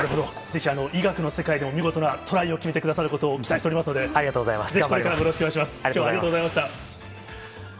ぜひ医学の世界でも見事なトライを決めてくださることを期待してありがとうございます。